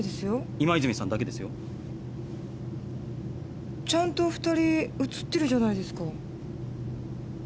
今泉さんだけですよ。ちゃんと二人写ってるじゃないですか。